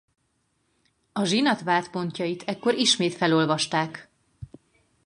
A zsinat vádpontjait ekkor ismét felolvasták.